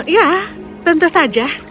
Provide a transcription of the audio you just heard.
ya tentu saja